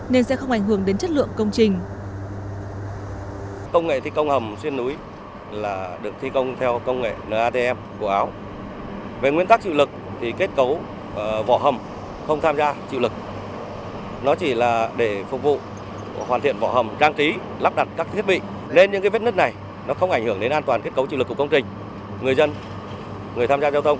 nên sẽ không ảnh hưởng đến chất lượng công trình